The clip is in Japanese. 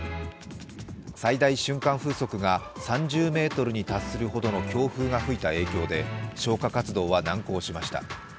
最大瞬間風速が３０メートルに達するほどの強風が吹いた影響で消火活動は難航しました。